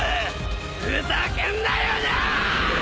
「ふざけんなよなぁ！！」